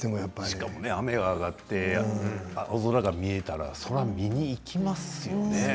しかも雨があがって青空が見えたらそれは見に行きますよね。